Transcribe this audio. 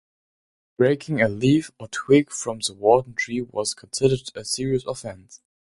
Breaking a leaf or twig from the warden tree was considered a serious offence.